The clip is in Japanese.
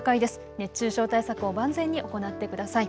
熱中症対策を万全に行ってください。